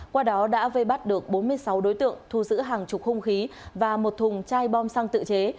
qua đó đã vây bắt được bốn mươi sáu đối tượng thu giữ hàng chục hung khí và một thùng chai bom xăng tự chế